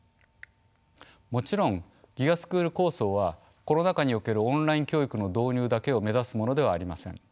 もちろんＧＩＧＡスクール構想はコロナ禍におけるオンライン教育の導入だけを目指すものではありません。